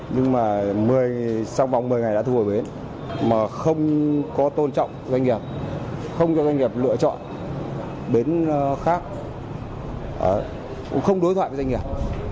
nhưng mà sau vòng một mươi ngày đã thu hồi bến mà không có tôn trọng doanh nghiệp không cho doanh nghiệp lựa chọn bến khác cũng không đối thoại với doanh nghiệp